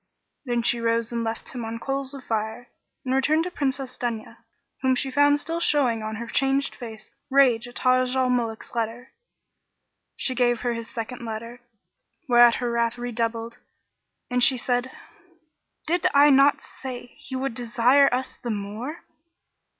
Then she rose and left him on coals of fire; and returned to Princess Dunya, whom she found still showing on her changed face rage at Taj al Muluk's letter. So she gave her his second letter, whereat her wrath redoubled and she said, "Did I not say he would desire us the more?"